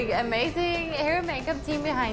ฉันมีทีมเกดเกดเกดของฉัน